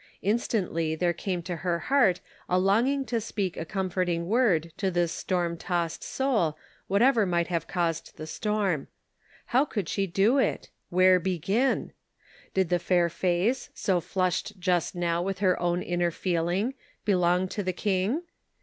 Instantly there came to her heart a longing to speak a com forting word to this storm tossed soul, whatever might have caused the storm. How could she do it ? Where begin ? Did the fair face, so flushed just now with her own inner feeling, belong to the King?